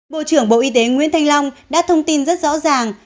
bộ trưởng bộ y tế nguyễn thanh long đã thông tin rất rõ ràng